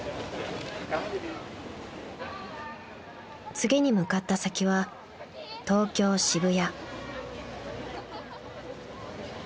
［次に向かった先は東京渋谷］